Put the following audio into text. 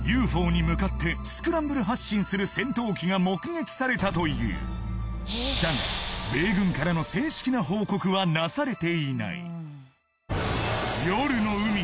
ＵＦＯに向かってスクランブル発進する戦闘機が目撃されたというだが米軍からの正式な報告はなされていない